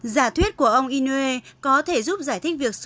giả thuyết của ông inoue có thể giúp giải thích việc